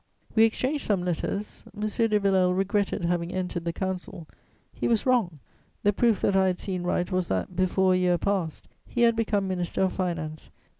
We exchanged some letters. M. de Villèle regretted having entered the Council: he was wrong; the proof that I had seen right was that, before a year passed, he had become Minister of Finance and M.